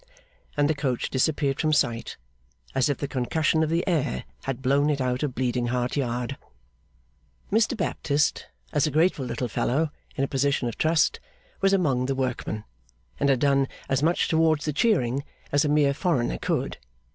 and the coach disappeared from sight, as if the concussion of the air had blown it out of Bleeding Heart Yard. Mr Baptist, as a grateful little fellow in a position of trust, was among the workmen, and had done as much towards the cheering as a mere foreigner could.